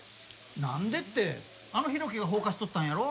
「なんで？」ってあの浩喜が放火しとったんやろ？